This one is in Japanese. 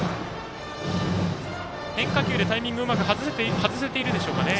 変化球でタイミングうまく外せているでしょうかね。